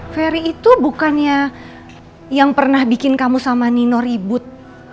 ferry itu bukannya yang pernah bikin kamu sama nino ribut